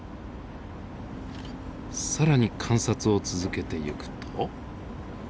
更に観察を続けていくと。